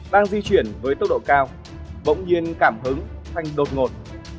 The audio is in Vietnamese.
đang di chuyển với tốc độ cao bỗng nhiên cảm hứng thành đột ngột